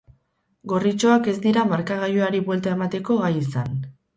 Gorritxoak ez dira markagailuari buelta emateko gai izan.